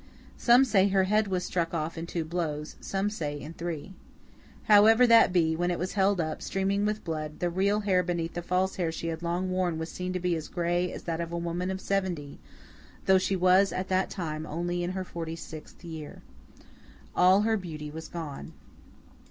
Some say her head was struck off in two blows, some say in three. However that be, when it was held up, streaming with blood, the real hair beneath the false hair she had long worn was seen to be as grey as that of a woman of seventy, though she was at that time only in her forty sixth year. All her beauty was gone.